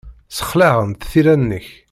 Ssexlaɛent tira-nnek.